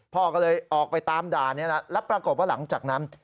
พ่อก็เลยออกไปตามด่านนี้นะแล้วปรากฏว่าหลังจากนั้น